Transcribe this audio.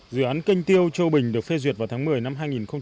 dự án canh tiêu châu bình được phê duyệt vào tháng một mươi năm hai nghìn một mươi